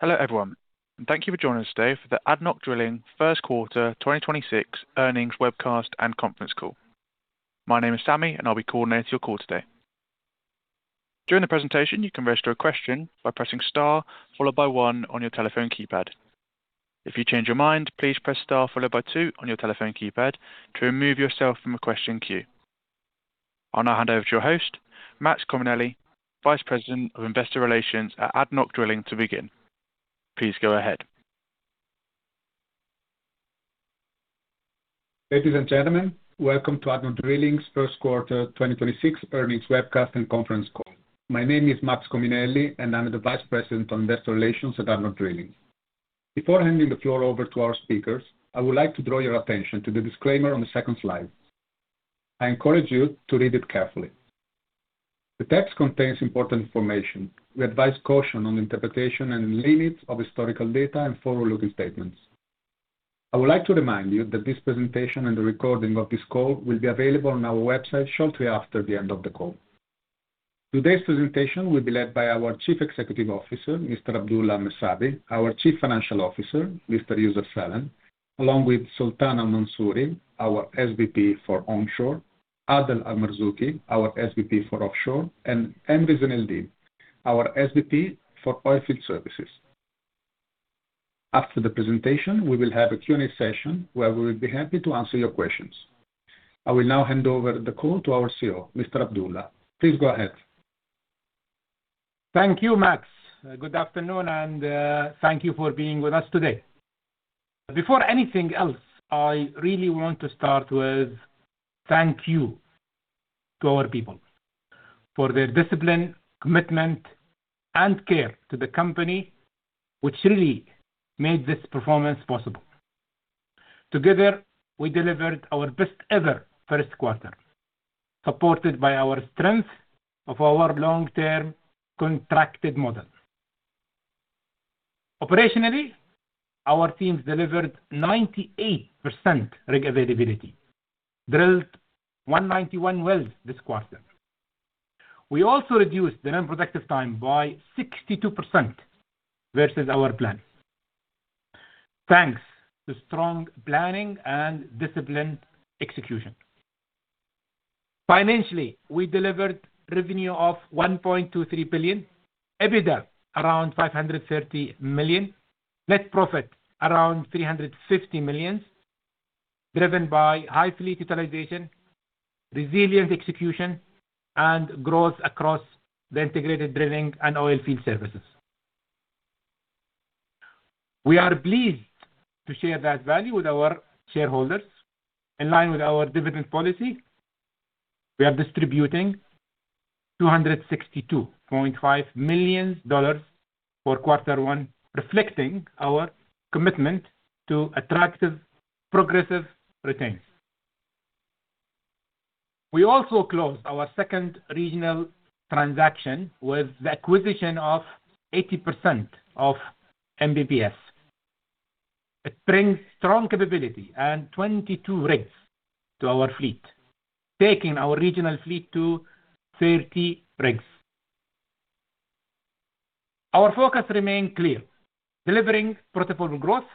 Hello, everyone, thank you for joining us today for the ADNOC Drilling first quarter 2026 earnings webcast and conference call. My name is Sammy, and I'll be coordinating your call today. During the presentation, you can register a question by pressing Star followed by one on your telephone keypad. If you change your mind, please press Star followed by two on your telephone keypad to remove yourself from the question queue. I'll now hand over to your host, Massimiliano Cominelli, Vice President of Investor Relations at ADNOC Drilling, to begin. Please go ahead. Ladies and gentlemen, welcome to ADNOC Drilling's first quarter 2026 earnings webcast and conference call. My name is Massimiliano Cominelli, and I'm the Vice President on Investor Relations at ADNOC Drilling. Before handing the floor over to our speakers, I would like to draw your attention to the disclaimer on the second slide. I encourage you to read it carefully. The text contains important information. We advise caution on the interpretation and limits of historical data and forward-looking statements. I would like to remind you that this presentation and the recording of this call will be available on our website shortly after the end of the call. Today's presentation will be led by our Chief Executive Officer, Mr. Abdulla Messabi, our Chief Financial Officer, Mr. Youssef Salem, along with Sultan Al Mansoori, our Senior Vice President for Onshore, Adel Al Marzooqi, our Senior Vice President for Offshore, and Emri Zeineldin, our Senior Vice President for Oil Field Services. After the presentation, we will have a Q&A session where we will be happy to answer your questions. I will now hand over the call to our Chief Executive Officer, Mr. Abdulla. Please go ahead. Thank you, Max. Good afternoon, thank you for being with us today. Before anything else, I really want to start with thank you to our people for their discipline, commitment, and care to the company, which really made this performance possible. Together, we delivered our best ever first quarter, supported by our strength of our long-term contracted model. Operationally, our teams delivered 98% rig availability, drilled 191 wells this quarter. We also reduced the non-productive time by 62% versus our plan, thanks to strong planning and disciplined execution. Financially, we delivered revenue of 1.23 billion, EBITDA around 530 million, net profit around 350 million, driven by high fleet utilization, resilient execution, and growth across the integrated drilling and oil field services. We are pleased to share that value with our shareholders. In line with our dividend policy, we are distributing $262.5 million for Q1, reflecting our commitment to attractive progressive returns. We also closed our second regional transaction with the acquisition of 80% of MBPS. It brings strong capability and 22 rigs to our fleet, taking our regional fleet to 30 rigs. Our focus remains clear: delivering profitable growth,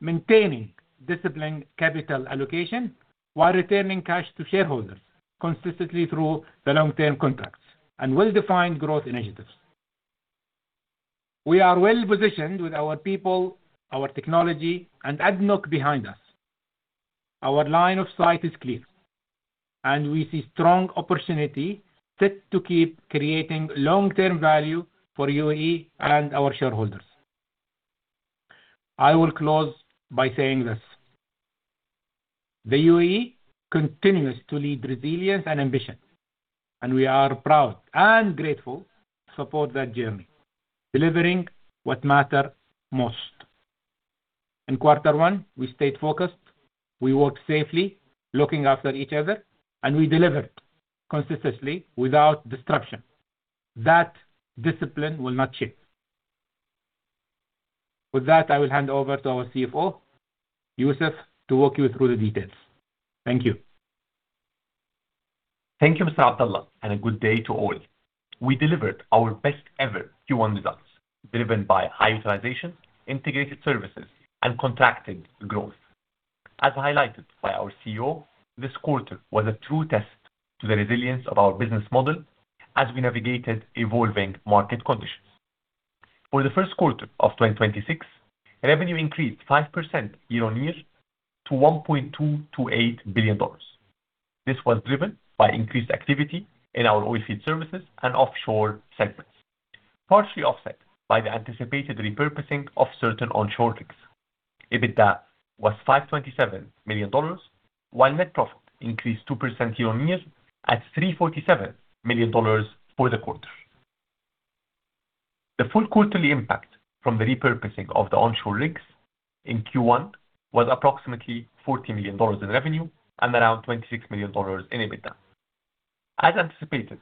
maintaining disciplined capital allocation while returning cash to shareholders consistently through the long-term contracts and well-defined growth initiatives. We are well-positioned with our people, our technology, and ADNOC behind us. Our line of sight is clear, and we see strong opportunity set to keep creating long-term value for UAE and our shareholders. I will close by saying this: the UAE continues to lead resilience and ambition, and we are proud and grateful to support that journey, delivering what matter most. In quarter one, we stayed focused, we worked safely, looking after each other, and we delivered consistently without disruption. That discipline will not shift. With that, I will hand over to our Chief Financial Officer, Youssef, to walk you through the details. Thank you. Thank you, Mr. Abdulla, and a good day to all. We delivered our best ever Q1 results, driven by high utilization, integrated services, and contracted growth. As highlighted by our Chief Executive Officer, this quarter was a true test to the resilience of our business model as we navigated evolving market conditions. For the first quarter of 2026, revenue increased 5% year-on-year to $1.228 billion. This was driven by increased activity in our oilfield services and offshore segments, partially offset by the anticipated repurposing of certain onshore rigs. EBITDA was $527 million, while net profit increased 2% year-on-year at $347 million for the quarter. The full quarterly impact from the repurposing of the onshore rigs in Q1 was approximately $40 million in revenue and around $26 million in EBITDA. As anticipated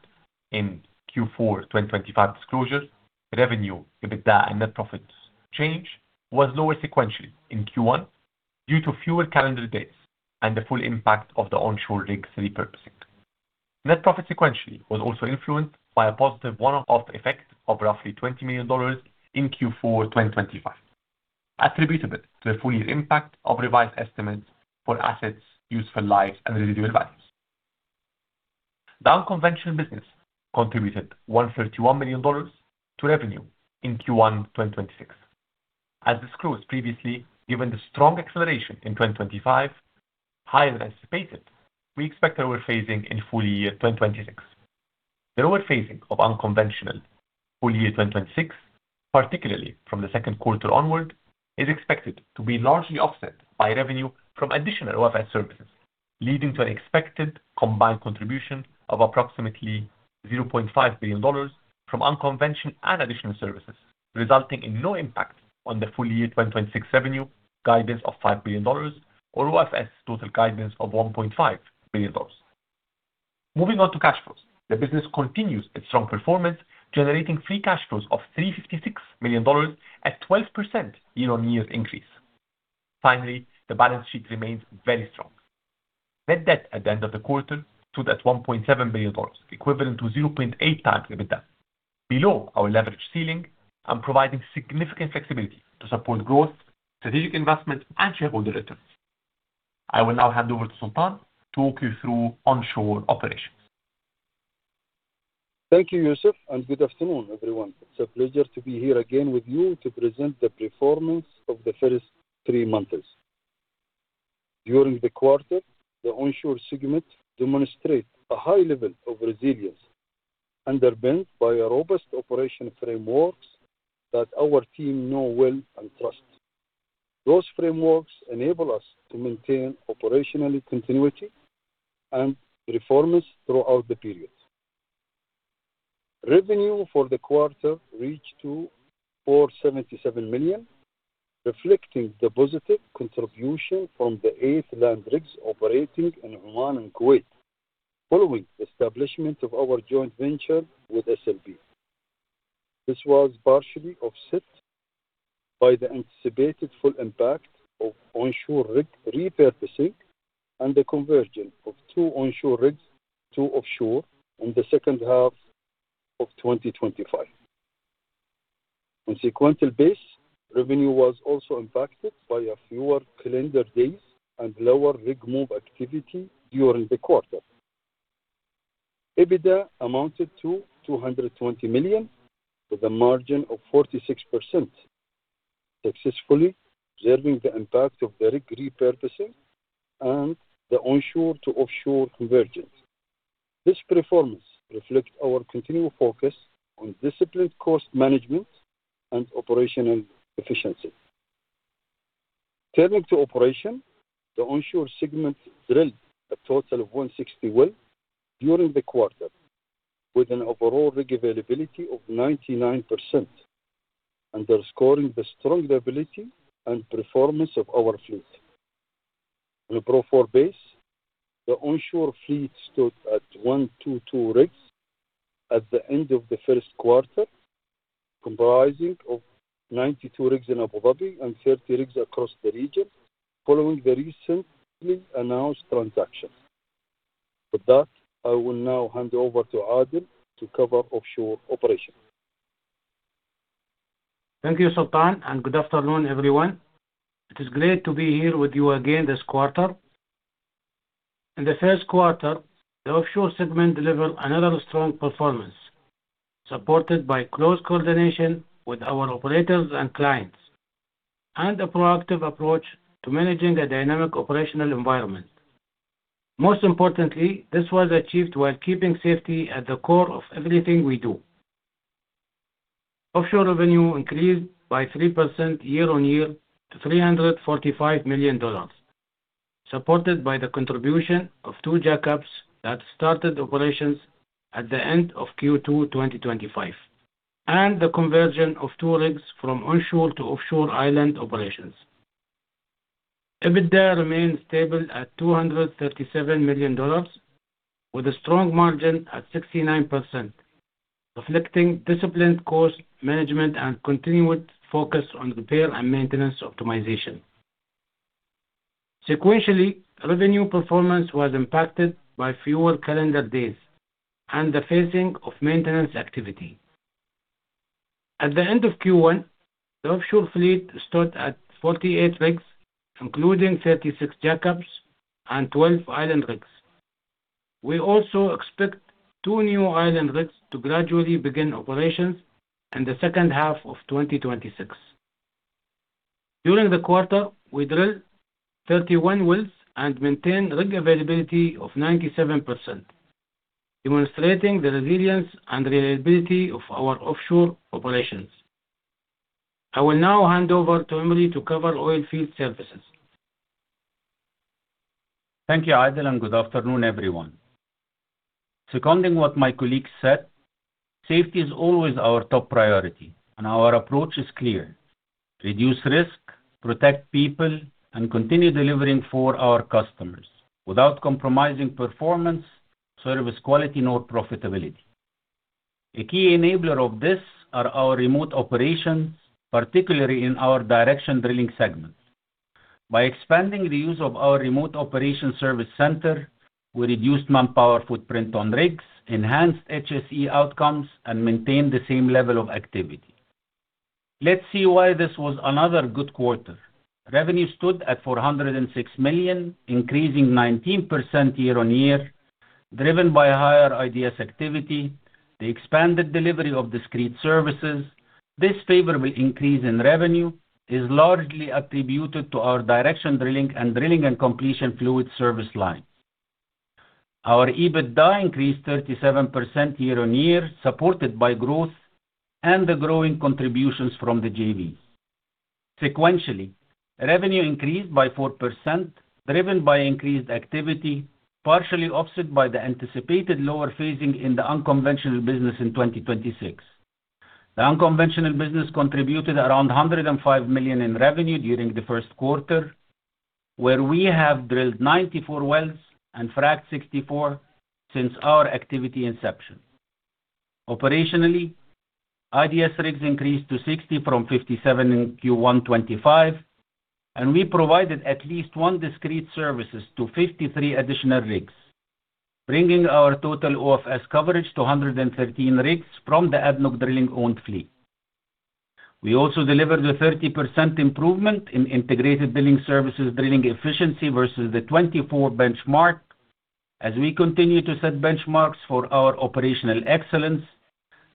in Q4 2025 disclosure, revenue, EBITDA, and net profits change was lower sequentially in Q1 due to fewer calendar days and the full impact of the onshore rigs repurposing. Net profit sequentially was also influenced by a positive one-off effect of roughly $20 million in Q4 2025, attributable to the full-year impact of revised estimates for assets useful lives and residual values. The unconventional business contributed $131 million to revenue in Q1 2026. As disclosed previously, given the strong acceleration in 2025, higher than anticipated, we expect a lower phasing in full year 2026. The lower phasing of unconventional full year 2026, particularly from the second quarter onward, is expected to be largely offset by revenue from additional OFS services, leading to an expected combined contribution of approximately $0.5 billion from unconventional and additional services, resulting in no impact on the full year 2026 revenue guidance of $5 billion or OFS total guidance of $1.5 billion. Moving on to cash flows. The business continues its strong performance, generating free cash flows of $356 million at 12% year-on-year increase. Finally, the balance sheet remains very strong. Net debt at the end of the quarter stood at $1.7 billion, equivalent to 0.8x EBITDA, below our leverage ceiling and providing significant flexibility to support growth, strategic investment, and shareholder returns. I will now hand over to Sultan to walk you through onshore operations. Thank you, Youssef, and good afternoon, everyone. It's a pleasure to be here again with you to present the performance of the first three months. During the quarter, the onshore segment demonstrate a high level of resilience, underpinned by a robust operation frameworks that our team know well and trust. Those frameworks enable us to maintain operational continuity and performance throughout the period. Revenue for the quarter reached to 477 million, reflecting the positive contribution from the eight land rigs operating in Oman and Kuwait, following establishment of our joint venture with SLB. This was partially offset by the anticipated full impact of onshore rig repurposing and the conversion of two onshore rigs to offshore in the second half of 2025. On a sequential base, revenue was also impacted by a fewer calendar days and lower rig move activity during the quarter. EBITDA amounted to 220 million, with a margin of 46%, successfully observing the impact of the rig repurposing and the onshore to offshore conversion. This performance reflects our continued focus on disciplined cost management and operational efficiency. Turning to operations, the onshore segment drilled a total of 160 wells during the quarter, with an overall rig availability of 99%, underscoring the strong reliability and performance of our fleet. On a pro forma basis, the onshore fleet stood at 122 rigs at the end of the first quarter, comprising of 92 rigs in Abu Dhabi and 30 rigs across the region, following the recently announced transaction. With that, I will now hand over to Adel to cover offshore operations. Thank you, Sultan, good afternoon, everyone. It is great to be here with you again this quarter. In the first quarter, the offshore segment delivered another strong performance, supported by close coordination with our operators and clients and a proactive approach to managing a dynamic operational environment. Most importantly, this was achieved while keeping safety at the core of everything we do. Offshore revenue increased by 3% year-on-year to $345 million, supported by the contribution of two jackups that started operations at the end of Q2 2025, and the conversion of two rigs from onshore to offshore island operations. EBITDA remains stable at $237 million with a strong margin at 69%, reflecting disciplined cost management and continued focus on repair and maintenance optimization. Sequentially, revenue performance was impacted by fewer calendar days and the phasing of maintenance activity. At the end of Q1, the offshore fleet stood at 48 rigs, including 36 jackups and 12 island rigs. We also expect two new island rigs to gradually begin operations in the second half of 2026. During the quarter, we drilled 31 wells and maintained rig availability of 97%, demonstrating the resilience and reliability of our offshore operations. I will now hand over to Emri Zeineldin to cover Oil Field Services. Thank you, Adel. Good afternoon, everyone. Seconding what my colleagues said, safety is always our top priority and our approach is clear: reduce risk, protect people, and continue delivering for our customers without compromising performance, service quality, nor profitability. A key enabler of this are our remote operations, particularly in our directional drilling segments. By expanding the use of our remote operation service center, we reduced manpower footprint on rigs, enhanced HSE outcomes, and maintained the same level of activity. Let's see why this was another good quarter. Revenue stood at 406 million, increasing 19% year-over-year, driven by higher IDS activity, the expanded delivery of discrete services. This favorable increase in revenue is largely attributed to our directional drilling and drilling and completion fluid service lines. Our EBITDA increased 37% year-over-year, supported by growth and the growing contributions from the JVs. Sequentially, revenue increased by 4%, driven by increased activity, partially offset by the anticipated lower phasing in the unconventional business in 2026. The unconventional business contributed around $105 million in revenue during the first quarter, where we have drilled 94 wells and fracked 64 wells since our activity inception. Operationally, IDS rigs increased to 60 rigs from 57 rigs in Q1 2025, we provided at least one discrete services to 53 additional rigs, bringing our total OFS coverage to 113 rigs from the ADNOC Drilling owned fleet. We also delivered a 30% improvement in integrated drilling services drilling efficiency versus the 2024 benchmark as we continue to set benchmarks for our operational excellence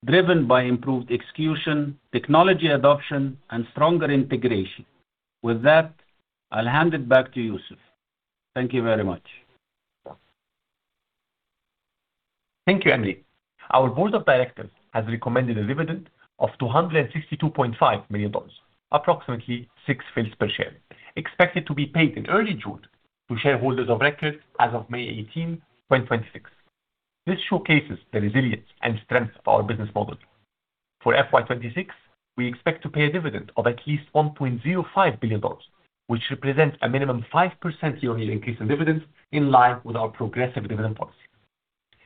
driven by improved execution, technology adoption, and stronger integration. With that, I'll hand it back to Youssef. Thank you very much. Thank you, Emri. Our board of directors has recommended a dividend of $262.5 million, approximately 6 fils per share, expected to be paid in early June to shareholders of records as of May 18th, 2026. This showcases the resilience and strength of our business model. For FY 2026, we expect to pay a dividend of at least $1.05 billion, which represents a minimum 5% year-on-year increase in dividends in line with our progressive dividend policy.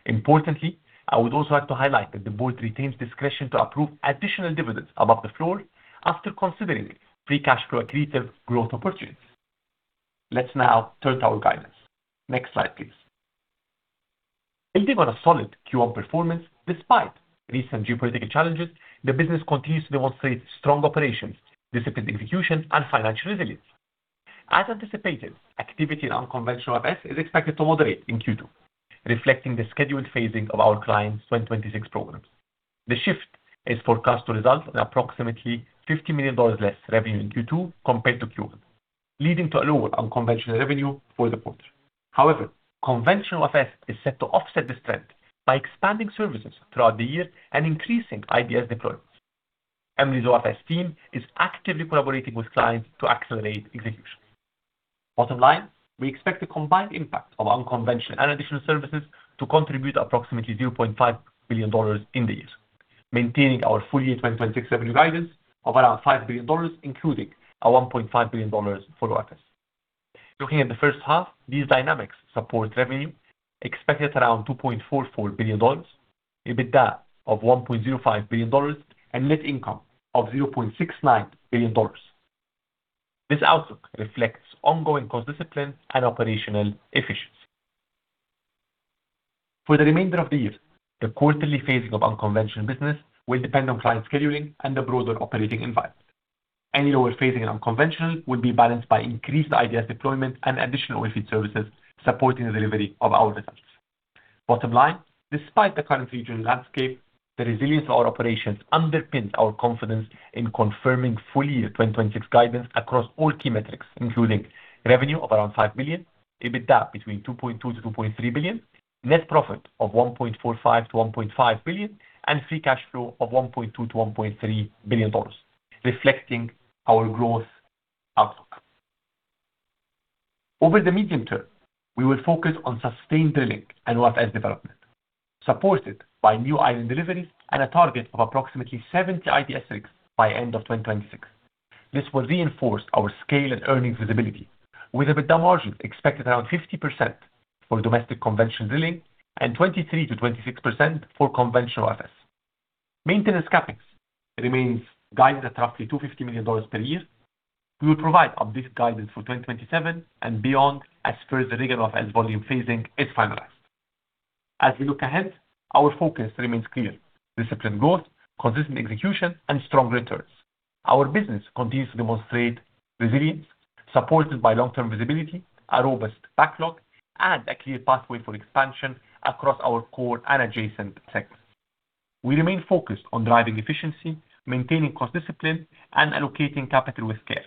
Importantly, I would also like to highlight that the board retains discretion to approve additional dividends above the floor after considering free cash flow accretive growth opportunities. Let's now turn to our guidance. Next slide, please. Building on a solid Q1 performance despite recent geopolitical challenges, the business continues to demonstrate strong operations, disciplined execution, and financial resilience. As anticipated, activity in unconventional events is expected to moderate in Q2, reflecting the scheduled phasing of our clients' 2026 programs. The shift is forecast to result in approximately $50 million less revenue in Q2 compared to Q1, leading to a lower unconventional revenue for the quarter. Conventional FS is set to offset this trend by expanding services throughout the year and increasing IDS deployments. Emri's OFS team is actively collaborating with clients to accelerate execution. Bottom line, we expect the combined impact of unconventional and additional services to contribute approximately $0.5 billion in the year, maintaining our full year 2026 revenue guidance of around $5 billion, including a $1.5 billion for OFS. Looking at the first half, these dynamics support revenue expected around $2.44 billion, EBITDA of $1.05 billion, and net income of $0.69 billion. This outlook reflects ongoing cost discipline and operational efficiency. For the remainder of the year, the quarterly phasing of unconventional business will depend on client scheduling and the broader operating environment. Any lower phasing in unconventional will be balanced by increased IDS deployment and additional oilfield services supporting the delivery of our results. Bottom line, despite the current regional landscape, the resilience of our operations underpinned our confidence in confirming full year 2026 guidance across all key metrics, including revenue of around $5 billion, EBITDA between $2.2 billion-$2.3 billion, net profit of $1.45 billion-$1.5 billion, and free cash flow of $1.2 billion-$1.3 billion, reflecting our growth outlook. Over the medium term, we will focus on sustained drilling and OFS development, supported by new island delivery and a target of approximately 70 IDS rigs by end of 2026. This will reinforce our scale and earnings visibility with EBITDA margin expected around 50% for domestic conventional drilling and 23%-26% for conventional OFS. Maintenance CapEx remains guided at roughly $250 million per year. We will provide updated guidance for 2027 and beyond as further rig and OFS volume phasing is finalized. As we look ahead, our focus remains clear. Disciplined growth, consistent execution, and strong returns. Our business continues to demonstrate resilience supported by long-term visibility, a robust backlog, and a clear pathway for expansion across our core and adjacent sectors. We remain focused on driving efficiency, maintaining cost discipline, and allocating capital with care,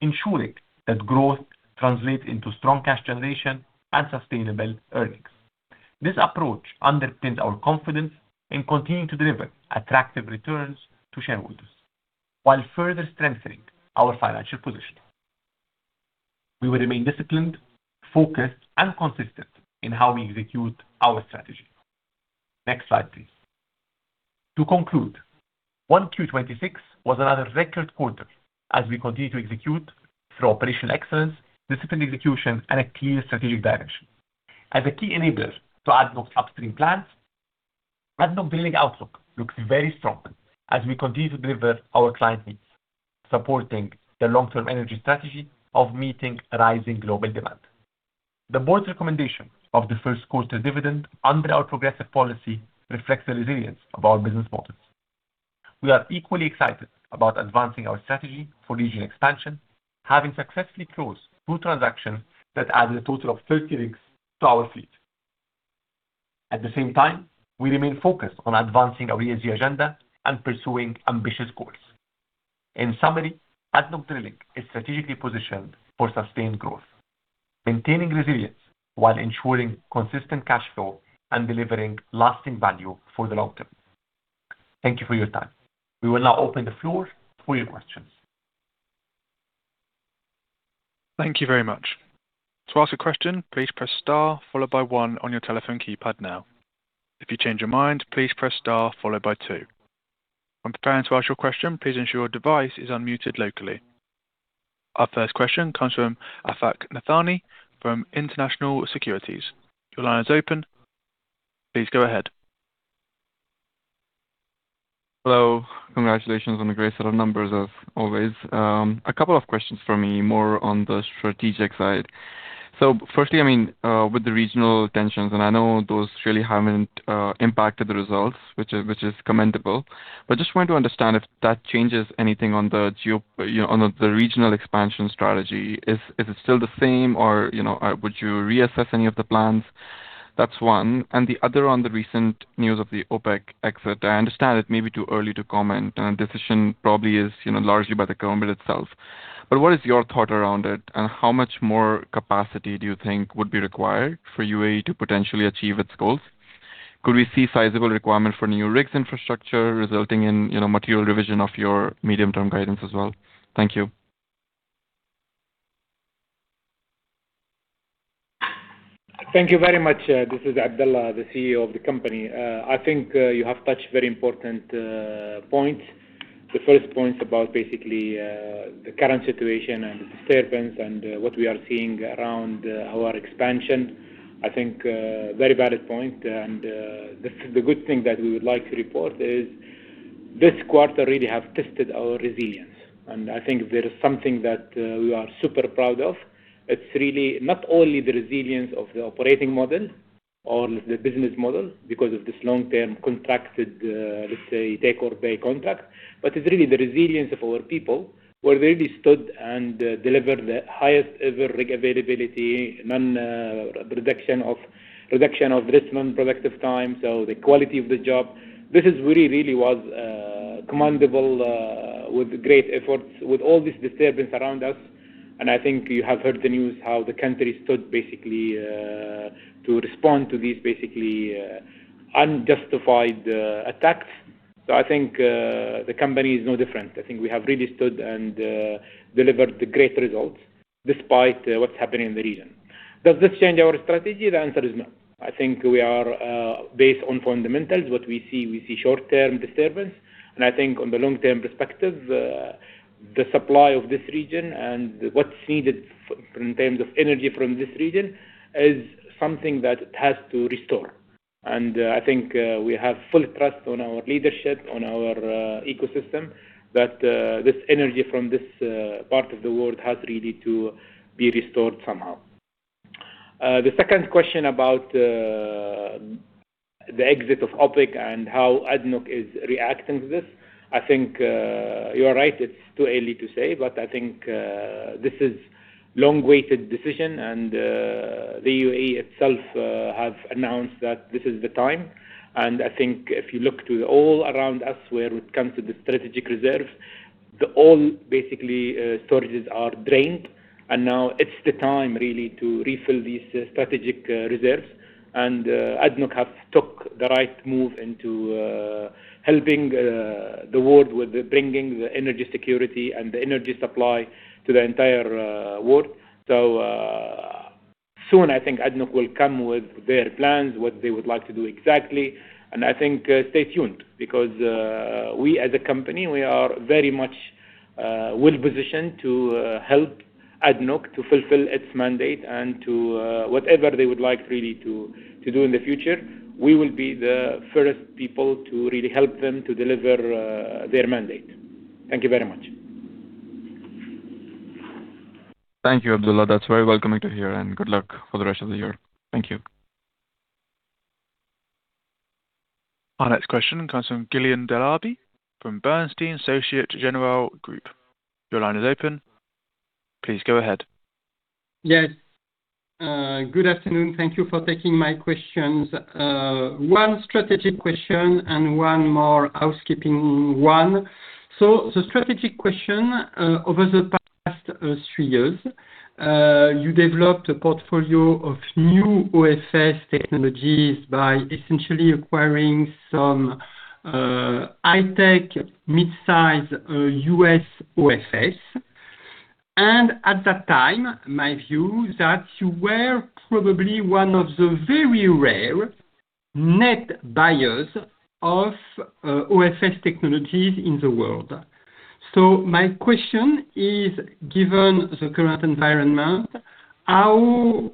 ensuring that growth translates into strong cash generation and sustainable earnings. This approach underpins our confidence in continuing to deliver attractive returns to shareholders while further strengthening our financial position. We will remain disciplined, focused, and consistent in how we execute our strategy. Next slide, please. To conclude. 1Q 2026 was another record quarter as we continue to execute through operational excellence, disciplined execution, and a clear strategic direction. As a key enabler to ADNOC's upstream plans, ADNOC Drilling outlook looks very strong as we continue to deliver our client needs, supporting the long-term energy strategy of meeting rising global demand. The board's recommendation of the first quarter dividend under our progressive policy reflects the resilience of our business models. We are equally excited about advancing our strategy for regional expansion, having successfully closed two transactions that added a total of 30 rigs to our fleet. At the same time, we remain focused on advancing our ESG agenda and pursuing ambitious goals. In summary, ADNOC Drilling is strategically positioned for sustained growth, maintaining resilience while ensuring consistent cash flow and delivering lasting value for the long term. Thank you for your time. We will now open the floor for your questions. Thank you very much. Our first question comes from Afaq Nathani from International Securities. Hello. Congratulations on the great set of numbers as always. A couple of questions from me, more on the strategic side. Firstly, I mean, with the regional tensions, and I know those really haven't impacted the results, which is commendable. Just want to understand if that changes anything on the geo, you know, on the regional expansion strategy. Is it still the same or, you know, would you reassess any of the plans? That's one. The other on the recent news of the OPEC exit. I understand it may be too early to comment, and decision probably is, you know, largely by the government itself. What is your thought around it, and how much more capacity do you think would be required for UAE to potentially achieve its goals? Could we see sizable requirement for new rigs infrastructure resulting in, you know, material revision of your medium-term guidance as well? Thank you. Thank you very much. This is Abdulla, the Chief Executive Officer of the company. I think you have touched very important points. The first point about basically, the current situation and disturbance and what we are seeing around our expansion. I think very valid point and this is the good thing that we would like to report is this quarter really have tested our resilience. I think there is something that we are super proud of. It's really not only the resilience of the operating model or the business model because of this long-term contracted, let's say, take or pay contract, but it's really the resilience of our people where they really stood and delivered the highest-ever rig availability, none, reduction of this non-productive time. The quality of the job. This is really was commendable, with great efforts, with all this disturbance around us. I think you have heard the news, how the country stood basically to respond to these basically unjustified attacks. I think the company is no different. I think we have really stood and delivered the great results despite what's happening in the region. Does this change our strategy? The answer is no. I think we are based on fundamentals. What we see, we see short-term disturbance. I think on the long-term perspective, the supply of this region and what's needed in terms of energy from this region is something that has to restore. I think we have full trust on our leadership, on our ecosystem, that this energy from this part of the world has really to be restored somehow. The second question about the exit of OPEC and how ADNOC is reacting to this. I think you are right, it's too early to say. I think this is long-awaited decision and the UAE itself have announced that this is the time. I think if you look to all around us where it comes to the strategic reserves, the all basically storages are drained, and now it's the time really to refill these strategic reserves. ADNOC have took the right move into helping the world with bringing the energy security and the energy supply to the entire world. Soon I think ADNOC will come with their plans, what they would like to do exactly. I think, stay tuned because, we as a company, we are very much, well-positioned to, help ADNOC to fulfill its mandate and to, whatever they would like really to do in the future, we will be the first people to really help them to deliver, their mandate. Thank you very much. Thank you, Abdulla. That's very welcoming to hear and good luck for the rest of the year. Thank you. Our next question comes from Guillaume Delaby from Bernstein Societe Generale Group. Your line is open. Please go ahead. Yes. Good afternoon. Thank you for taking my questions. One strategic question and one more housekeeping one. The strategic question, over the past three years, you developed a portfolio of new OFS technologies by essentially acquiring some high-tech mid-size U.S. OFS. At that time, my view that you were probably one of the very rare net buyers of OFS technologies in the world. My question is, given the current environment, how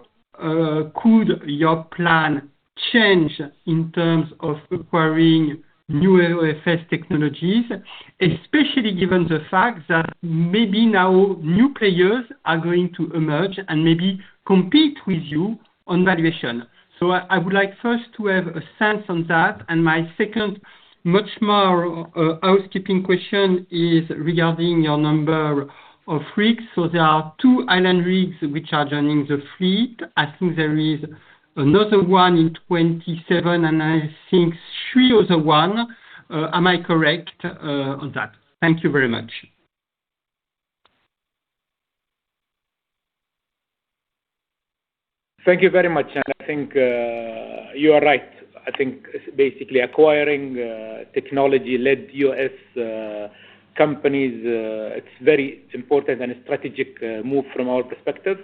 could your plan change in terms of acquiring new OFS technologies, especially given the fact that maybe now new players are going to emerge and maybe compete with you on valuation? I would like first to have a sense on that. My second, much more, housekeeping question is regarding your number of rigs. There are two island rigs which are joining the fleet. I think there is another one in 2027, I think three other one. Am I correct on that? Thank you very much. Thank you very much. I think you are right. I think basically acquiring technology-led U.S. companies, it's very important and a strategic move from our perspective.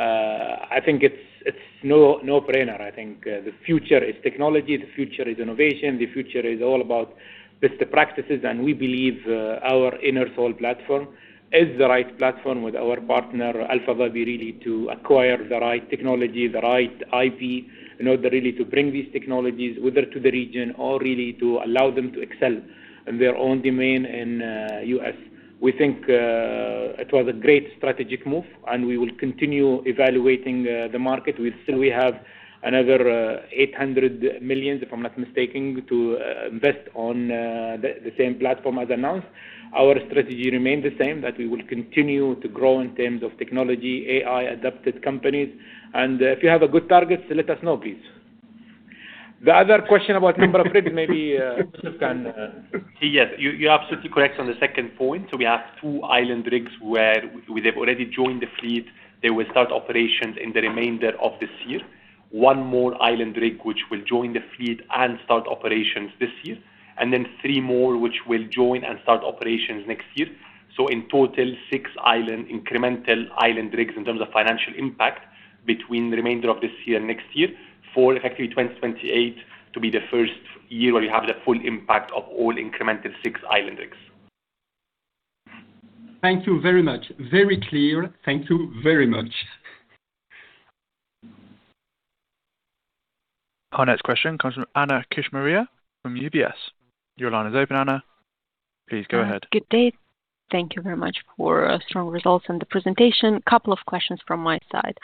I think it's no-brainer. I think the future is technology, the future is innovation, the future is all about best practices. We believe our Enersol platform is the right platform with our partner, Alpha Dhabi, really to acquire the right technology, the right IP, in order really to bring these technologies whether to the region or really to allow them to excel in their own domain in U.S. We think it was a great strategic move, we will continue evaluating the market. We still have another 800 million, if I'm not mistaken, to invest on the same platform as announced. Our strategy remains the same, that we will continue to grow in terms of technology, AI-adapted companies. If you have a good target, let us know, please. The other question about number of rigs maybe, Youssef can. Yes. You, you're absolutely correct on the second point. We have two island rigs where they've already joined the fleet. They will start operations in the remainder of this year. One more island rig, which will join the fleet and start operations this year, and then three more which will join and start operations next year. In total, six island, incremental island rigs in terms of financial impact between the remainder of this year and next year. Four effectively 2028 to be the first year where you have the full impact of all incremental six island rigs. Thank you very much. Very clear. Thank you very much. Our next question comes from Anna Kishmariya from UBS. Your line is open, Anna. Please go ahead. Good day. Thank you very much for strong results and the presentation, couple of questions from my side.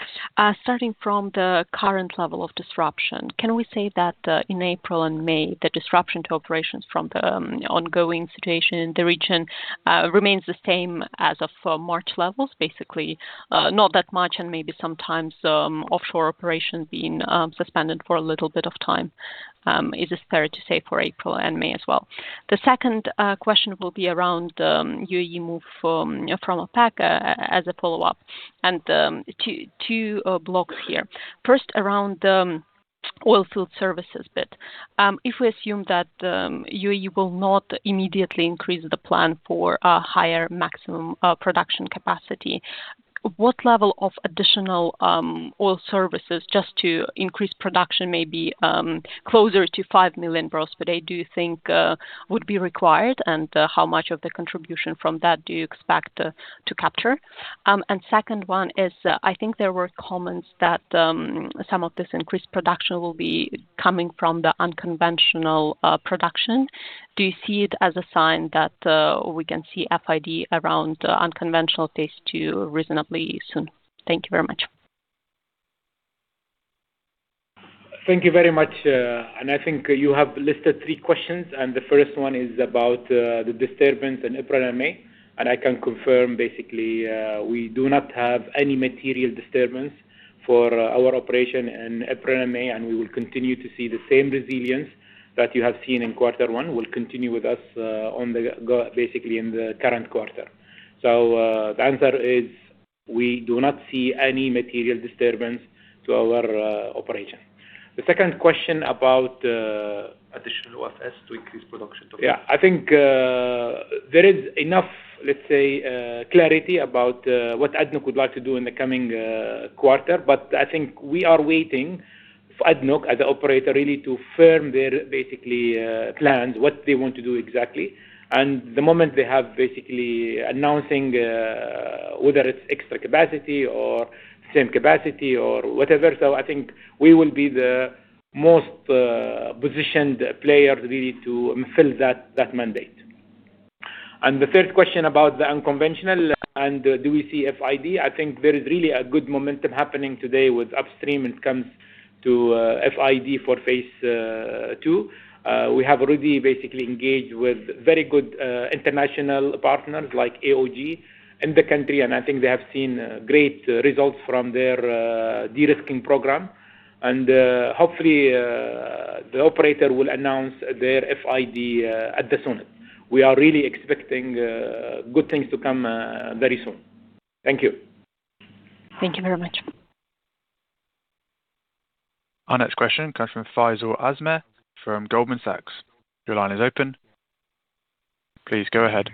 Starting from the current level of disruption, can we say that in April and May, the disruption to operations from the ongoing situation in the region remains the same as of March levels? Basically, not that much and maybe sometimes offshore operations being suspended for a little bit of time, is it fair to say for April and May as well? The second question will be around UAE move from OPEC as a follow-up. two blocks here. First, around oil field services bit. If we assume that UAE will not immediately increase the plan for a higher maximum production capacity, what level of additional oil services just to increase production maybe closer to 5 million barrels per day do you think would be required? How much of the contribution from that do you expect to capture? Second one is, I think there were comments that some of this increased production will be coming from the unconventional production. Do you see it as a sign that we can see FID around unconventional phase II reasonably soon? Thank you very much. Thank you very much. I think you have listed three questions, the first one is about the disturbance in April and May. I can confirm basically, we do not have any material disturbance for our operation in April and May, and we will continue to see the same resilience that you have seen in quarter one will continue with us basically in the current quarter. The answer is we do not see any material disturbance to our operation. The second question about Additional assets to increase production. Yeah. I think there is enough, let's say, clarity about what ADNOC would like to do in the coming quarter. I think we are waiting for ADNOC as an operator really to firm their basically plans, what they want to do exactly. The moment they have basically announcing whether it's extra capacity or same capacity or whatever. I think we will be the most positioned player really to fill that mandate. The third question about the unconventional and do we see FID? I think there is really a good momentum happening today with upstream when it comes to FID for phase II. We have already basically engaged with very good international partners like EOG in the country, and I think they have seen great results from their de-risking program. Hopefully, the operator will announce their FID at the summit. We are really expecting good things to come very soon. Thank you. Thank you very much. Our next question comes from Faisal Al-Azmeh from Goldman Sachs. Your line is open. Please go ahead.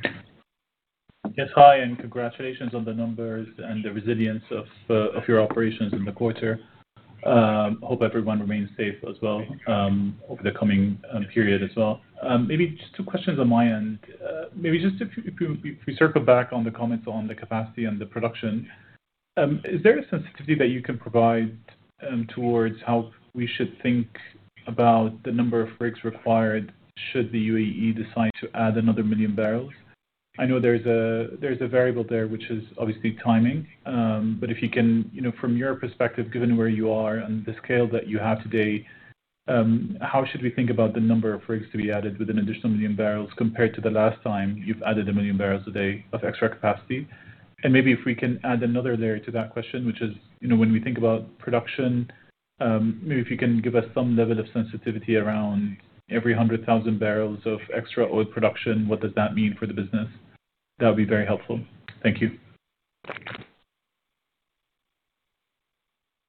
Yes, hi. Congratulations on the numbers and the resilience of your operations in the quarter. Hope everyone remains safe as well over the coming period as well. Just two questions on my end. Just if we circle back on the comments on the capacity and the production, is there a sensitivity that you can provide towards how we should think about the number of rigs required should the UAE decide to add another 1 million barrels? I know there is a variable there, which is obviously timing. If you can, you know, from your perspective, given where you are and the scale that you have today, how should we think about the number of rigs to be added with an additional 1 million barrels compared to the last time you've added 1 million barrels a day of extra capacity? Maybe if we can add another layer to that question, which is, you know, when we think about production, maybe if you can give us some level of sensitivity around every 100,000 barrels of extra oil production, what does that mean for the business? That'll be very helpful. Thank you.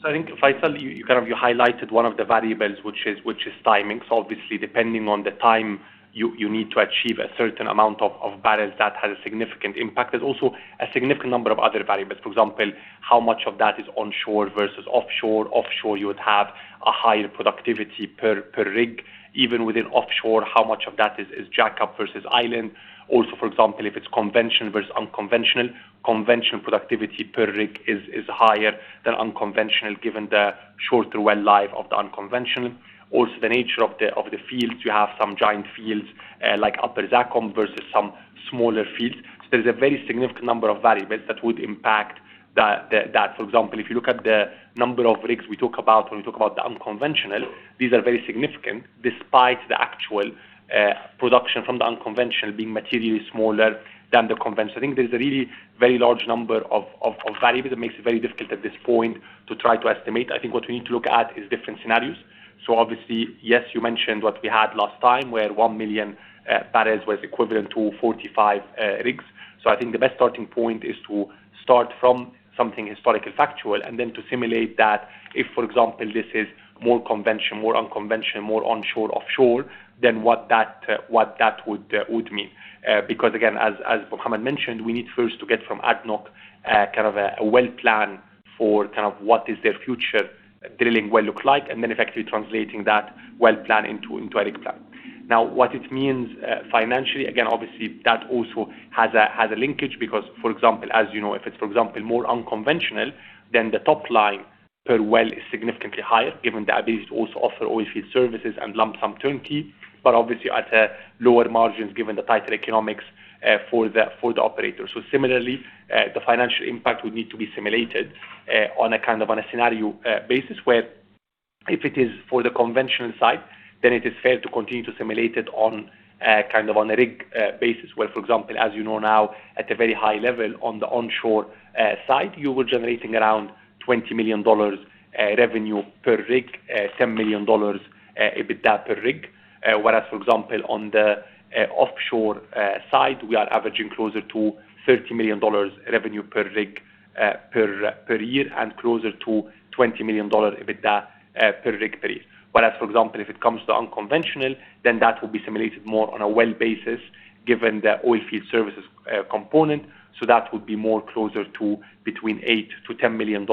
I think, Faisal, you kind of highlighted one of the variables, which is timing. Obviously, depending on the time you need to achieve a certain amount of barrels, that has a significant impact. There's also a significant number of other variables. For example, how much of that is onshore versus offshore. Offshore, you would have a higher productivity per rig. Even within offshore, how much of that is jackup versus island. Also, for example, if it's conventional versus unconventional. Conventional productivity per rig is higher than unconventional, given the shorter well life of the unconventional. Also, the nature of the fields. You have some giant fields, like Upper Zakum versus some smaller fields. There's a very significant number of variables that would impact that. For example, if you look at the number of rigs we talk about when we talk about the unconventional, these are very significant, despite the actual production from the unconventional being materially smaller than the conventional. I think there's a really very large number of variables that makes it very difficult at this point to try to estimate. I think what we need to look at is different scenarios. Obviously, yes, you mentioned what we had last time, where 1 million barrels was equivalent to 45 rigs. I think the best starting point is to start from something historical factual and then to simulate that if, for example, this is more conventional, more unconventional, more onshore, offshore, then what that would mean. Because again, as Mohamed mentioned, we need first to get from ADNOC, kind of a well plan for kind of what is their future drilling well look like, and then effectively translating that well plan into a rig plan. Now, what it means financially, again, obviously that also has a linkage because, for example, as you know, if it's, for example, more unconventional, then the top line per well is significantly higher, given the ability to also offer oil field services and lump-sum turnkey, but obviously at lower margins, given the tighter economics for the operator. Similarly, the financial impact would need to be simulated on a kind of on a scenario basis, where if it is for the conventional side, then it is fair to continue to simulate it on a kind of on a rig basis, where, for example, as you know now, at a very high level on the onshore side, you were generating around $20 million revenue per rig, $10 million EBITDA per rig. For example, on the offshore side, we are averaging closer to $30 million revenue per rig, per year, and closer to $20 million EBITDA per rig per year. For example, if it comes to unconventional, then that will be simulated more on a well basis, given the oil field services component. That would be more closer to between $8 million-$10 million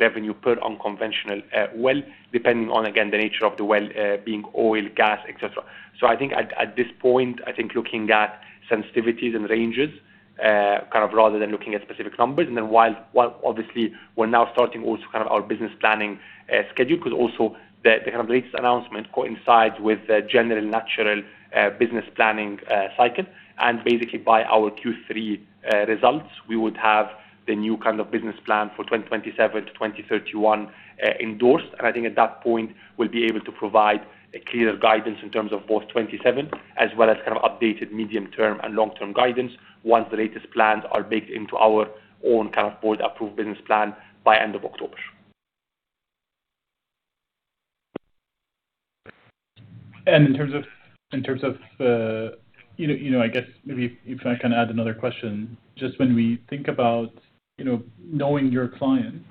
revenue per unconventional well, depending on, again, the nature of the well, being oil, gas, et cetera. I think at this point, I think looking at sensitivities and ranges, kind of rather than looking at specific numbers. While obviously we're now starting also kind of our business planning schedule, because also the kind of latest announcement coincides with the general natural business planning cycle. Basically by our Q3 results, we would have the new kind of business plan for 2027 to 2031 endorsed. I think at that point, we'll be able to provide a clearer guidance in terms of both 2027 as well as kind of updated medium-term and long-term guidance once the latest plans are baked into our own kind of board-approved business plan by end of October. In terms of, you know, I guess maybe if I can add another question, just when we think about, you know, knowing your clients,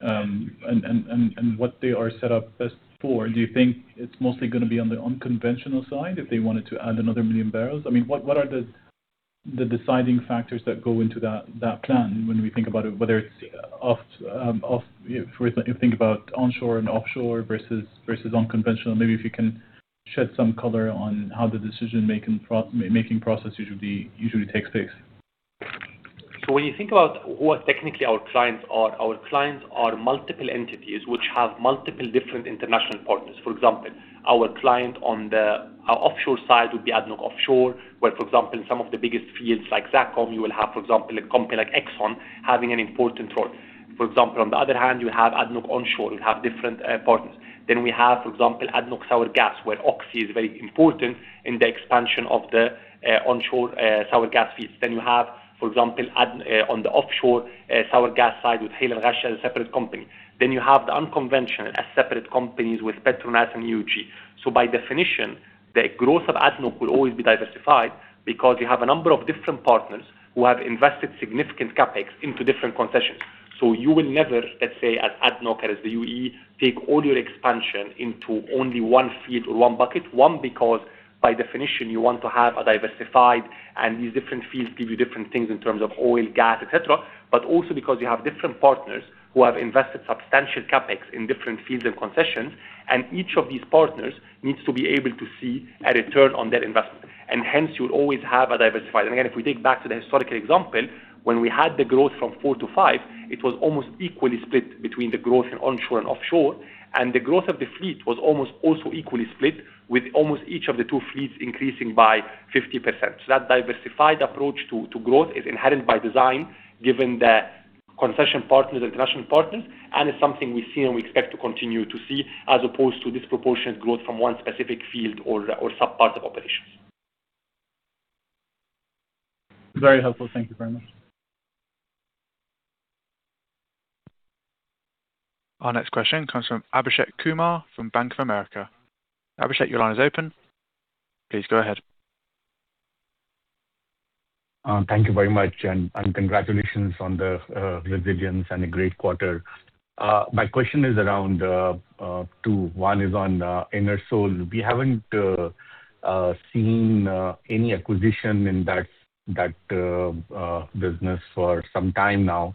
and what they are set up best for, do you think it's mostly gonna be on the unconventional side if they wanted to add another 1 million barrels? What are the deciding factors that go into that plan when we think about it, whether it's If we think about onshore and offshore versus unconventional, maybe if you can shed some color on how the decision-making process usually takes place? When you think about what technically our clients are, our clients are multiple entities which have multiple different international partners. For example, our client on the, our offshore side would be ADNOC Offshore, where, for example, in some of the biggest fields like Zakum, you will have, for example, a company like Exxon having an important role. For example, on the other hand, you have ADNOC Onshore. You have different partners. We have, for example, ADNOC Sour Gas, where Oxy is very important in the expansion of the onshore sour gas fields. You have, for example, on the offshore sour gas side with Hail & Ghasha, a separate company. You have the unconventional as separate companies with Petronas and EOG. By definition, the growth of ADNOC will always be diversified because you have a number of different partners who have invested significant CapEx into different concessions. You will never, let's say at ADNOC as the UAE, take all your expansion into only one field or one bucket. One, because by definition, you want to have a diversified, and these different fields give you different things in terms of oil, gas, et cetera. Also because you have different partners who have invested substantial CapEx in different fields and concessions, and each of these partners needs to be able to see a return on their investment. Hence, you'll always have a diversified. Again, if we think back to the historical example, when we had the growth from four to five, it was almost equally split between the growth in onshore and offshore. The growth of the fleet was almost also equally split, with almost each of the two fleets increasing by 50%. That diversified approach to growth is inherent by design, given the concession partners and international partners, and it's something we've seen and we expect to continue to see, as opposed to disproportionate growth from one specific field or sub-part of operations. Very helpful. Thank you very much. Our next question comes from Abhishek Kumar from Bank of America. Abhishek, your line is open. Please go ahead. Thank you very much, and congratulations on the resilience and a great quarter. My question is around two. One is on Enersol. We haven't seen any acquisition in that business for some time now.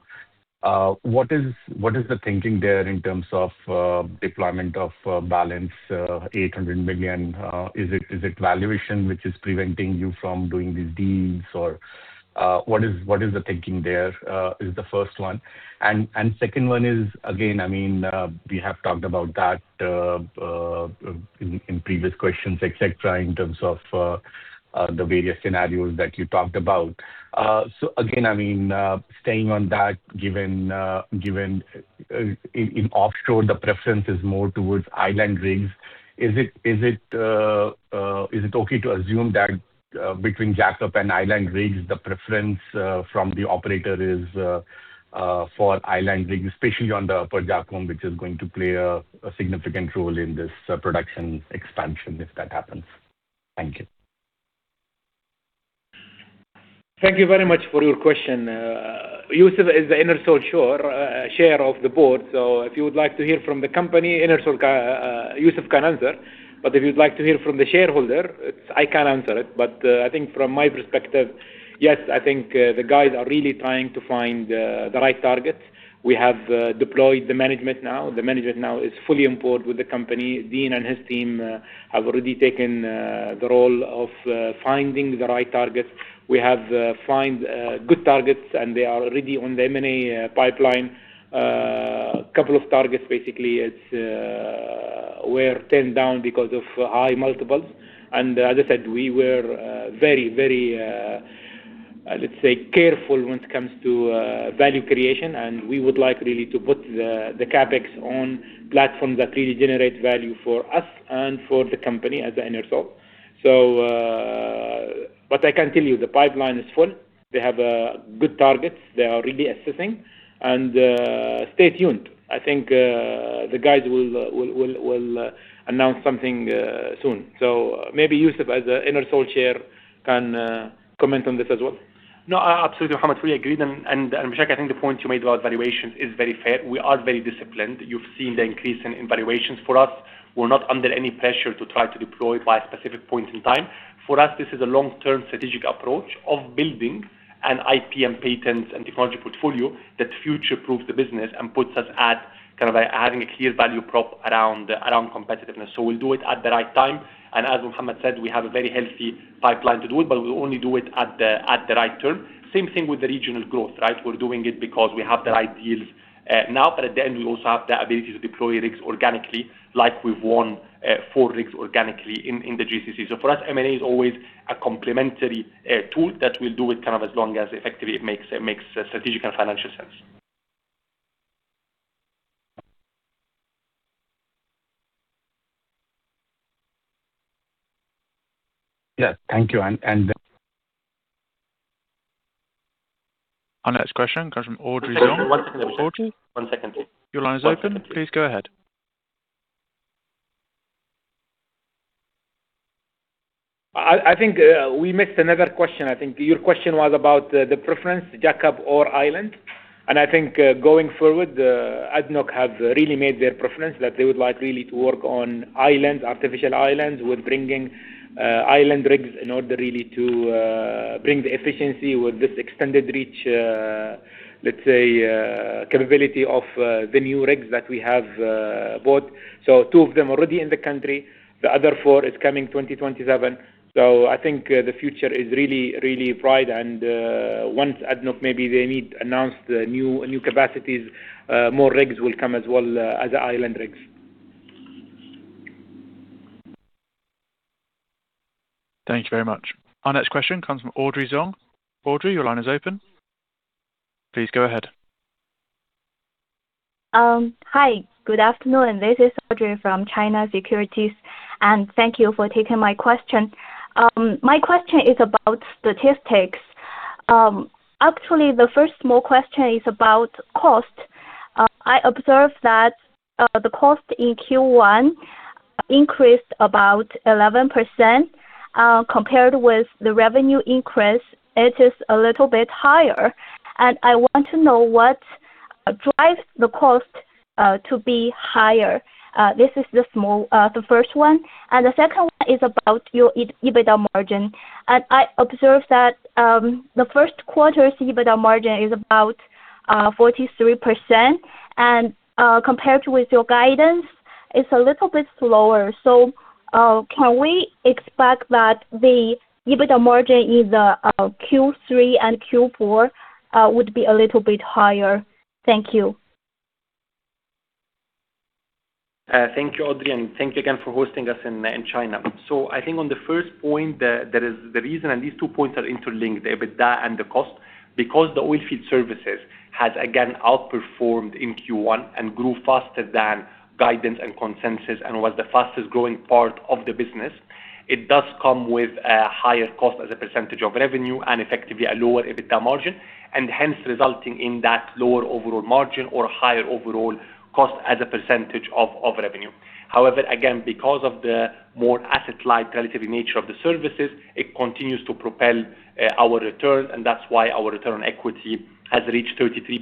What is the thinking there in terms of deployment of balance 800 million? Is it valuation which is preventing you from doing these deals? Or, what is the thinking there is the first one. Second one is, again, I mean, we have talked about that in previous questions, et cetera, in terms of the various scenarios that you talked about. Again, I mean, staying on that, given, in offshore, the preference is more towards island rigs. Is it okay to assume that between jackup and island rigs, the preference from the operator is for island rigs, especially on the Upper Zakum, which is going to play a significant role in this production expansion, if that happens? Thank you. Thank you very much for your question. Youssef is the Enersol chair of the board. If you would like to hear from the company, Enersol can, Youssef can answer. If you'd like to hear from the shareholder, I can answer it. I think from my perspective, yes, I think the guys are really trying to find the right target. We have deployed the management now. The management now is fully on board with the company. Dean and his team have already taken the role of finding the right targets. We have find good targets, and they are already on the M&A pipeline. Couple of targets basically is were turned down because of high multiples. As I said, we were very, very, let's say careful when it comes to value creation, and we would like really to put the CapEx on platforms that really generate value for us and for the company as Enersol. I can tell you the pipeline is full. They have good targets they are really assessing. Stay tuned. I think, the guys will announce something soon. Maybe Youssef as the Enersol Chair can comment on this as well. No, absolutely, Mohamed, fully agreed. Abhishek, I think the point you made about valuations is very fair. We are very disciplined. You've seen the increase in valuations for us. We're not under any pressure to try to deploy by a specific point in time. For us, this is a long-term strategic approach of building an IP and patents and technology portfolio that future-proofs the business and puts us at kind of a clear value prop around competitiveness. We'll do it at the right time. As Mohamed said, we have a very healthy pipeline to do it, but we'll only do it at the right term. Same thing with the regional growth, right. We're doing it because we have the right deals, now, but at the end, we also have the ability to deploy rigs organically like we've won, four rigs organically in the GCC. For us, M&A is always a complementary tool that we'll do it kind of as long as effectively it makes strategic and financial sense. Yeah. Thank you. Our next question comes from Audrey Zhong. Just one second, Youssef. One second please. Your line is open. Please go ahead. I think we missed another question. I think your question was about the preference, jackup or island. I think going forward, ADNOC have really made their preference that they would like really to work on islands, artificial islands with bringing island rigs in order really to bring the efficiency with this extended reach, let's say, capability of the new rigs that we have bought. Two of them already in the country. The other four is coming 2027. I think the future is really, really bright. Once ADNOC maybe they need announce the new capacities, more rigs will come as well as island rigs. Thank you very much. Our next question comes from Audrey Zhong. Audrey, your line is open. Please go ahead. Hi. Good afternoon. This is Audrey from China Securities. Thank you for taking my question. My question is about statistics. Actually, the first small question is about cost. I observed that the cost in Q1 increased about 11%. Compared with the revenue increase, it is a little bit higher. I want to know what drives the cost to be higher. This is the first one. The second one is about your EBITDA margin. I observed that the first quarter's EBITDA margin is about 43%. Compared with your guidance, it's a little bit lower. Can we expect that the EBITDA margin in the Q3 and Q4 would be a little bit higher? Thank you. Thank you, Audrey, and thank you again for hosting us in China. I think on the first point, there is the reason and these two points are interlinked, the EBITDA and the cost. Because the oil field services has again outperformed in Q1 and grew faster than guidance and consensus and was the fastest-growing part of the business, it does come with a higher cost as a percentage of revenue and effectively a lower EBITDA margin, and hence resulting in that lower overall margin or higher overall cost as a percentage of revenue. However, again, because of the more asset-light relative nature of the services, it continues to propel our return, and that's why our return on equity has reached 33%.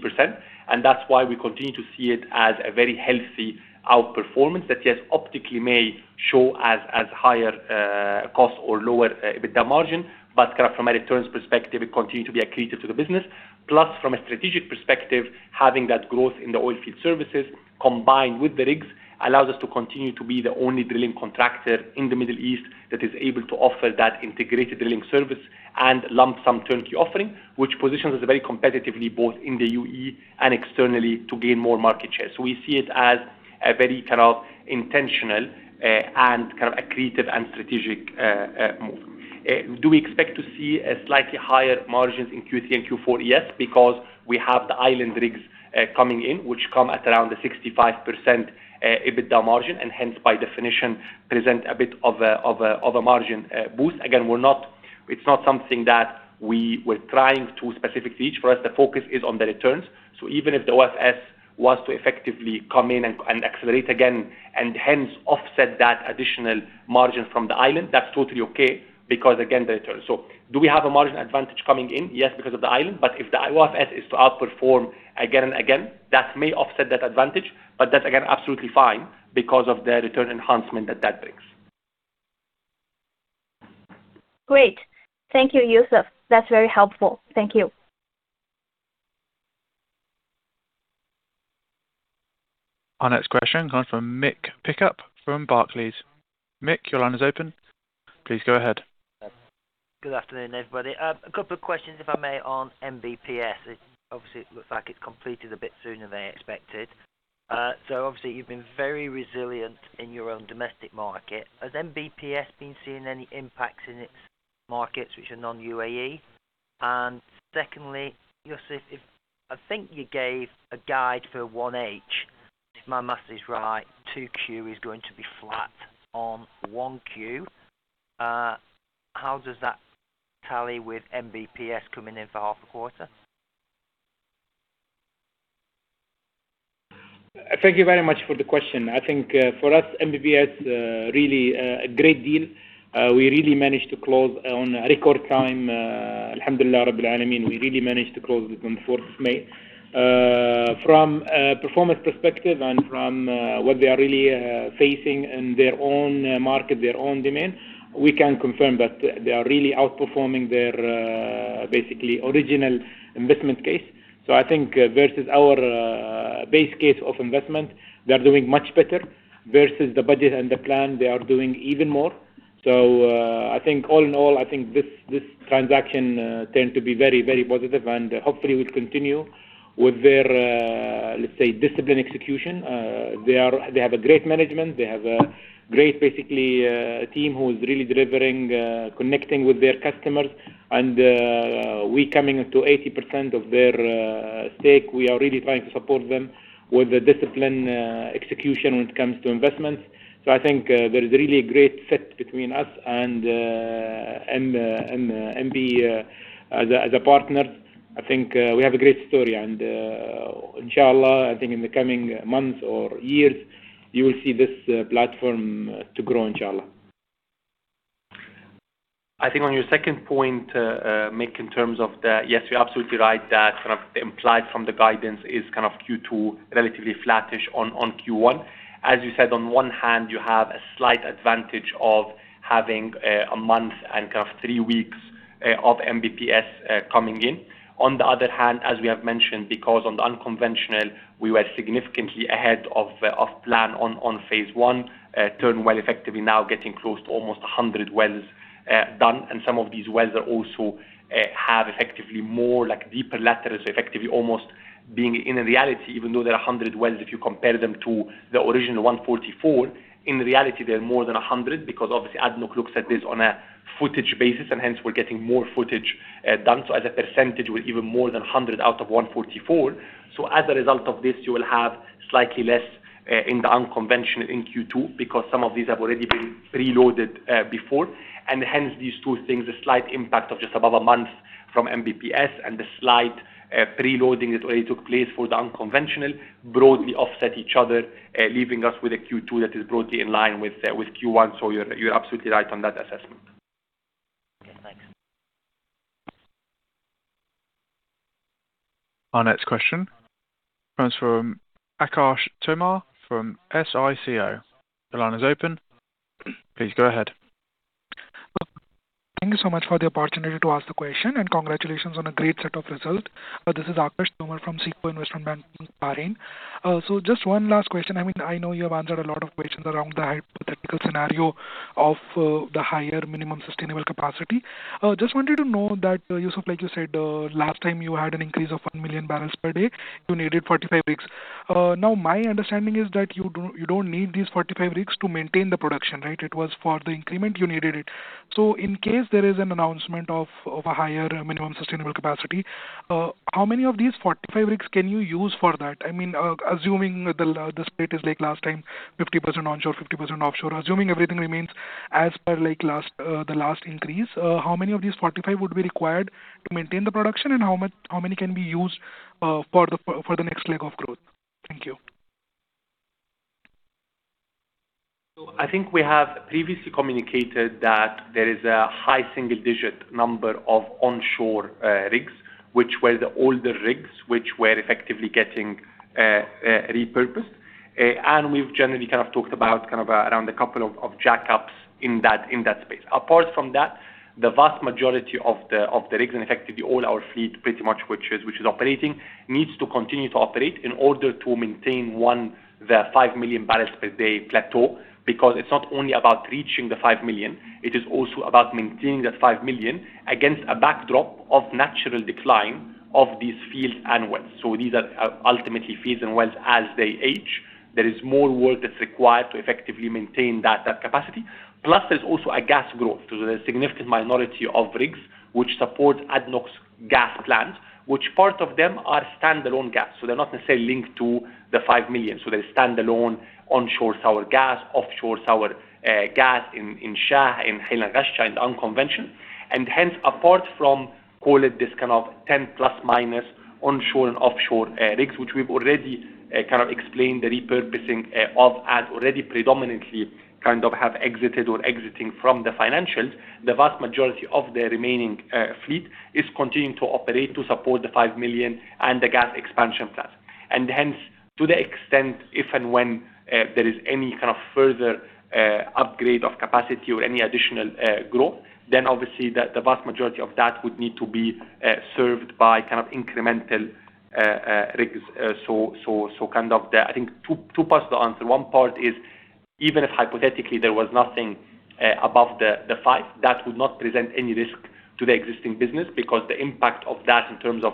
That's why we continue to see it as a very healthy outperformance that, yes, optically may show as higher cost or lower EBITDA margin, but kind of from a returns perspective, it continue to be accretive to the business. From a strategic perspective, having that growth in the oil field services combined with the rigs allows us to continue to be the only drilling contractor in the Middle East that is able to offer that integrated drilling service and lump-sum turnkey offering, which positions us very competitively both in the UAE and externally to gain more market share. We see it as a very kind of intentional and kind of accretive and strategic move. Do we expect to see a slightly higher margins in Q3 and Q4? Yes, because we have the island rigs coming in, which come at around the 65% EBITDA margin, and hence by definition, present a bit of a margin boost. Again, it's not something that we were trying to specifically reach. For us, the focus is on the returns. Even if the OFS was to effectively come in and accelerate again and hence offset that additional margin from the island, that's totally okay because again, the return is the focus. Do we have a margin advantage coming in? Yes, because of the island. If the OFS is to outperform again and again, that may offset that advantage. That's again, absolutely fine because of the return enhancement that that brings. Great. Thank you, Youssef. That's very helpful. Thank you. Our next question comes from Mick Pickup from Barclays. Mick, your line is open. Please go ahead. Good afternoon, everybody. A couple of questions, if I may, on MBPS. It obviously looks like it's completed a bit sooner than expected. Obviously, you've been very resilient in your own domestic market. Has MBPS been seeing any impacts in its markets which are non-UAE? Secondly, Youssef, I think you gave a guide for 1H. If my math is right, 2Q is going to be flat on 1Q. How does that tally with MBPS coming in for half a quarter? Thank you very much for the question. I think for us, MBPS, really a great deal. We really managed to close on a record time. I think on your second point, Mick, in terms of the Yes, you're absolutely right that kind of implied from the guidance is kind of Q2 relatively flattish on Q1. As you said, on one hand, you have a slight advantage of having a month and kind of three weeks of MBPS coming in. On the other hand, as we have mentioned, because on the unconventional we were significantly ahead of plan on phase I, Turnwell effectively now getting close to almost 100 wells done. Some of these wells are also have effectively more like deeper laterals, effectively almost being in a reality, even though they're 100 wells, if you compare them to the original 144 wells, in reality they are more than 100 wells because obviously ADNOC looks at this on a footage basis and hence we're getting more footage done. As a percentage, we're even more than 100 wells out of 144 wells. As a result of this, you will have slightly less in the unconventional in Q2 because some of these have already been preloaded before. Hence these two things, a slight impact of just above a month from MBPS and the slide preloading that already took place for the unconventional broadly offset each other, leaving us with a Q2 that is broadly in line with Q1. You're absolutely right on that assessment. Okay, thanks. Our next question comes from Aakarsh Tomar from SICO. The line is open. Please go ahead. Thank you so much for the opportunity to ask the question, and congratulations on a great set of results. This is Aakarsh Tomar from SICO Investment Bank in Bahrain. Just one last question. I mean, I know you have answered a lot of questions around the hypothetical scenario of the higher minimum sustainable capacity. Just wanted to know that, Youssef, like you said, last time you had an increase of 1 million barrels per day, you needed 45 rigs. Now, my understanding is that you don't need these 45 rigs to maintain the production, right? It was for the increment you needed it. In case there is an announcement of a higher minimum sustainable capacity, how many of these 45 rigs can you use for that? I mean, assuming the split is like last time, 50% onshore, 50% offshore. Assuming everything remains as per like last, the last increase, how many of these 45 rigs would be required to maintain the production, and how many can be used for the next leg of growth? Thank you. I think we have previously communicated that there is a high single-digit number of onshore, rigs, which were the older rigs, which were effectively getting, repurposed. We've generally kind of talked about kind of, around a couple of jackups in that, in that space. Apart from that, the vast majority of the, of the rigs and effectively all our fleet, pretty much, which is, which is operating, needs to continue to operate in order to maintain one, the 5 million barrels per day plateau. It's not only about reaching the 5 million, it is also about maintaining that 5 million against a backdrop of natural decline of these fields and wells. These are ultimately fields and wells as they age. There is more work that's required to effectively maintain that capacity. Plus, there's also a gas growth. There's a significant minority of rigs which support ADNOC's gas plant, which part of them are standalone gas. They're not necessarily linked to the 5 million barrels per day. They're standalone onshore sour gas, offshore sour gas in Shah, in Hail and Ghasha in unconventional. Hence, apart from, call it this kind of 10± onshore and offshore rigs, which we've already kind of explained the repurposing of and already predominantly kind of have exited or exiting from the financials, the vast majority of the remaining fleet is continuing to operate to support the 5 million barrels per day and the gas expansion plan. Hence, to the extent if and when there is any kind of further upgrade of capacity or any additional growth, then obviously the vast majority of that would need to be served by kind of incremental rigs. So, kind of the I think two parts to the answer. One part is even if hypothetically there was nothing above the 5 million barrels per day, that would not present any risk to the existing business because the impact of that in terms of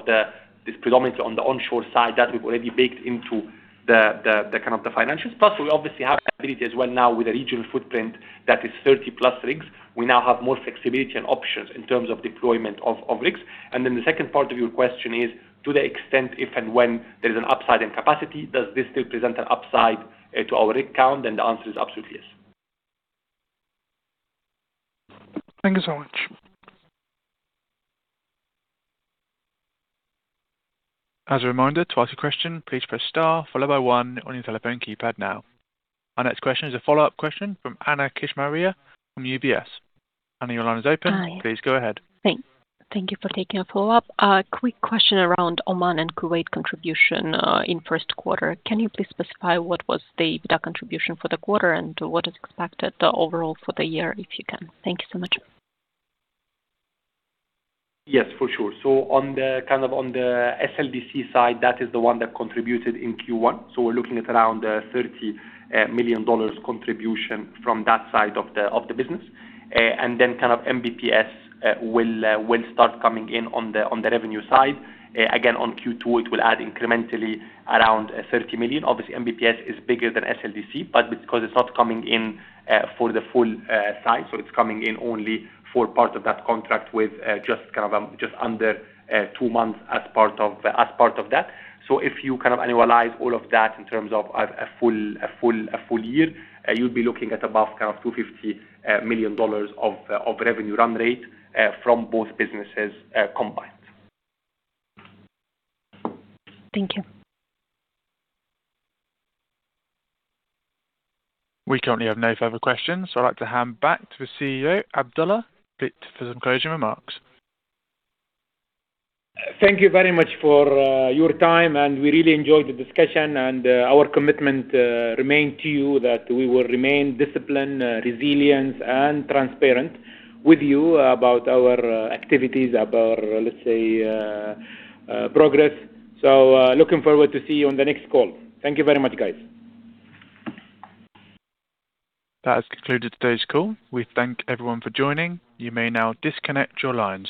it's predominantly on the onshore side that we've already baked into the kind of the financials. Plus, we obviously have ability as well now with a regional footprint that is 30 plus rigs. We now have more flexibility and options in terms of deployment of rigs. The second part of your question is to the extent if and when there is an upside in capacity, does this still present an upside to our rig count? The answer is absolutely yes. Thank you so much. As a reminder, to ask a question, please press star followed by one on your telephone keypad now. Our next question is a follow-up question from Anna Kishmariya from UBS. Anna, your line is open. Hi. Please go ahead. Thank you for taking a follow-up. A quick question around Oman and Kuwait contribution in first quarter. Can you please specify what was the EBITDA contribution for the quarter and what is expected overall for the year, if you can? Thank you so much. Yes, for sure. On the SLDC side, that is the one that contributed in Q1. We're looking at around $30 million contribution from that side of the business. And then MBPS will start coming in on the revenue side. Again, on Q2 it will add incrementally around $30 million. Obviously, MBPS is bigger than SLDC, but because it's not coming in for the full size, it's coming in only for part of that contract with just under two months as part of that. If you kind of annualize all of that in terms of a full year, you'd be looking at above kind of $250 million of revenue run rate from both businesses combined. Thank you. We currently have no further questions. I'd like to hand back to Chief Executive Officer, Abdulla, for some closing remarks. Thank you very much for your time, and we really enjoyed the discussion. Our commitment remain to you that we will remain disciplined, resilient, and transparent with you about our activities, about, let's say, progress. Looking forward to see you on the next call. Thank you very much, guys. That has concluded today's call. We thank everyone for joining. You may now disconnect your lines.